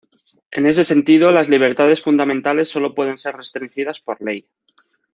En ese sentido, las libertades fundamentales sólo pueden ser restringidas por ley.